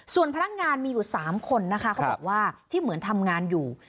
ส่วนพนักงานมีอยู่๓คนนะคะเขาบอกว่าที่เหมือนทำงานอยู่